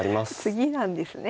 次なんですね。